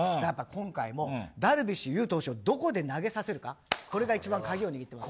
今回もダルビッシュ有投手をどこで投げさせるかこれが一番、鍵を握ってます。